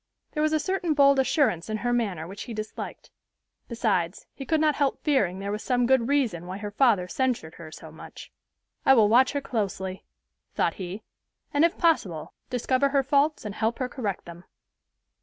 There was a certain bold assurance in her manner which he disliked. Besides, he could not help fearing there was some good reason why her father censured her so much. "I will watch her closely," thought he, "and if possible, discover her faults and help her correct them."